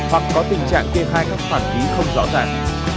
hoặc có tình trạng kê khai các khoản phí không rõ ràng